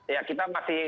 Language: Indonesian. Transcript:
ya kita masih